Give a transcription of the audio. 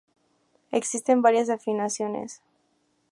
Existen varias afinaciones.